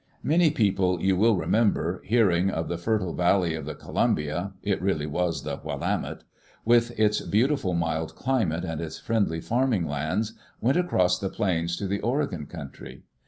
Many people, you will remember, hearing of the fertile valley of the Columbia — it really was the Willamette — with its beautiful, mild climate and its friendly farming lands, went across the plains to the Oregon country.